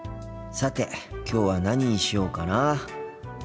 さてきょうは何にしようかなあ。